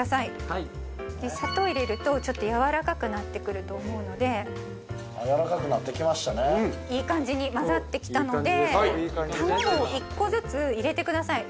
はい砂糖入れるとちょっとやわらかくなってくると思うのでやらかくなってきましたねいい感じに混ざってきたので卵を１個ずつ入れてください